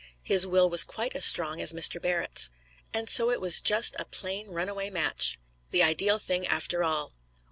His will was quite as strong as Mr. Barrett's. And so it was just a plain runaway match the ideal thing after all.